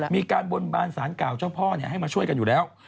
มีการบนบานสารเก่าเจ้าพ่อให้มาช่วยกันอยู่แล้ว